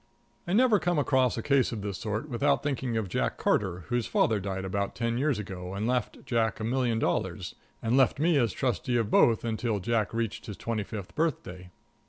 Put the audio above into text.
I never come across a case of this sort without thinking of Jack Carter, whose father died about ten years ago and left Jack a million dollars, and left me as trustee of both until Jack reached his twenty fifth birthday.